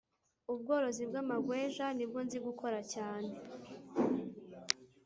ubworozi bw amagweja nibwo nzi gukora cyane